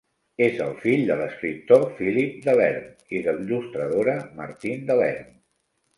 És el fill de l'escriptor Philippe Delerm i de l'il·lustradora Martine Delerm.